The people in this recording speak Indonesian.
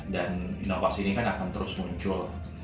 dan inovasi ini kan akan terus muncul